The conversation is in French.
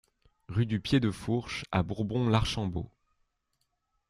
Rue du Pied de Fourche à Bourbon-l'Archambault